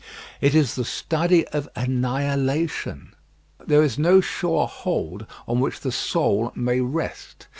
It is the study of annihilation. There is no sure hold on which the soul may rest.